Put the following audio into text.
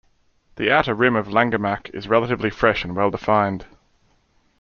The outer rim of Langemak is relatively fresh and well-defined.